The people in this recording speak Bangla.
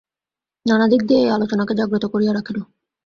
নানা দিক দিয়া এই আলোচনাকে জাগ্রত করিয়া রাখিল।